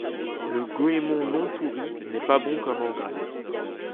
Le goémon non-pourri n’est pas bon comme engrais.